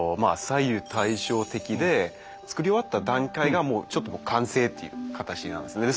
左右対称的でつくり終わった段階がもうちょっと完成という形なんですね。